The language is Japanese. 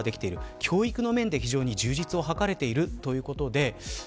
教育の面で充実を図れているということです。